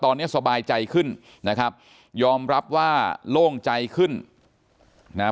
ตอนนี้สบายใจขึ้นนะครับยอมรับว่าโล่งใจขึ้นนะฮะ